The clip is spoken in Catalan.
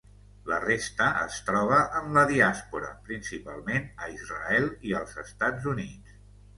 La resta es troba en la diàspora, principalment a Israel i als Estats Units.